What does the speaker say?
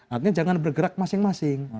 artinya jangan bergerak masing masing